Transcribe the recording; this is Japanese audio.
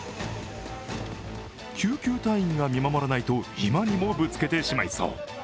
救急隊員が見守らないと今にもぶつけてしまいそう。